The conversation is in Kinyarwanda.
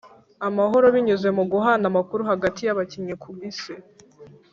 amahoro binyuze mu guhana amakuru hagati y'abakinnyi ku isi.